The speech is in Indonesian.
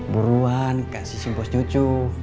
buruan kasih simpos cucu